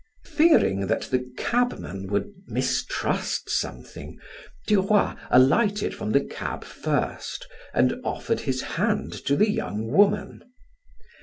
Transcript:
Fearing that the cabman would mistrust something, Duroy alighted from the cab first and offered his hand to the young woman.